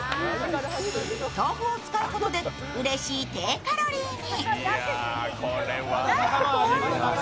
豆腐を使うことで、うれしい低カロリーに。